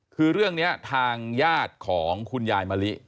คือเรื่องนี้ทางญาติของคุณยายมะลิ